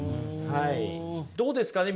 どうですかね？